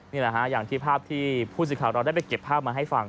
นี่แหละฮะอย่างที่ภาพที่ผู้สื่อข่าวเราได้ไปเก็บภาพมาให้ฟัง